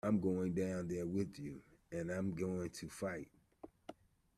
I'm going down there with you, and I'm going to fight.